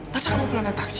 masa kamu perlena taksi